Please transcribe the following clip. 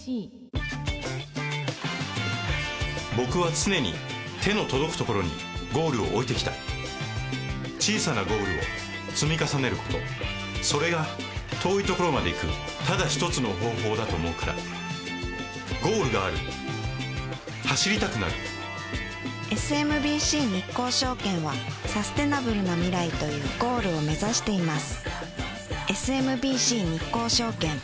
僕は常に手の届くところにゴールを置いてきた小さなゴールを積み重ねることそれが遠いところまで行くただ一つの方法だと思うからゴールがある走りたくなるＳＭＢＣ日興証券はサステナブルな未来というゴールを目指しています